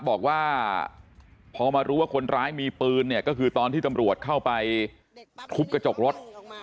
บอกว่าพอมารู้ว่าคนร้ายมีปืนเนี่ยก็คือตอนที่ตำรวจเข้าไปทุบกระจกรถ